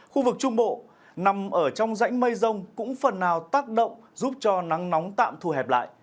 khu vực trung bộ nằm ở trong rãnh mây rông cũng phần nào tác động giúp cho nắng nóng tạm thu hẹp lại